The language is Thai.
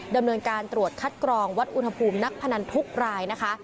ดำเนินการตรวจคัดกรองวัดอุณหภูมินักพนันทุกรายนะคะ